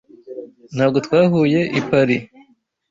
Ntabwo twahuye i Paris